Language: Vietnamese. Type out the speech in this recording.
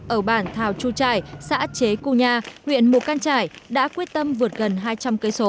ở bản thào chu trải xã chế cung nha huyện mù căn trải đã quyết tâm vượt gần hai trăm linh km